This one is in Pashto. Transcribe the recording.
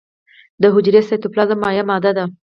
د حجرې سایتوپلازم مایع ماده ده